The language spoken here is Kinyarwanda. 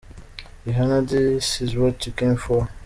Rihanna -- “This Is What You Came For”.